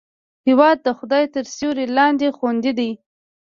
هېواد د خدای تر سیوري لاندې خوندي دی.